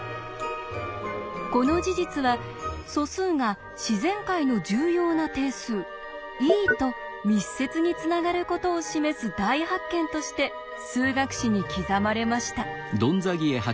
この事実は素数が自然界の重要な定数「ｅ」と密接につながることを示す大発見として数学史に刻まれました。